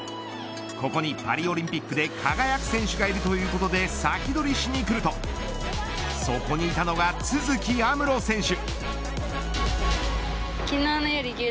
ここに、パリオリンピックで輝く選手がいるということでサキドリしに来るとそこにいたのが都筑有夢路選手。